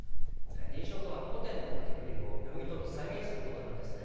臨書とは古典の書きぶりを読み解き再現する事なんですね。